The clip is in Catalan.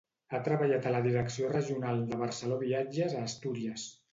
Ha treballat a la Direcció Regional de Barceló Viatges a Astúries.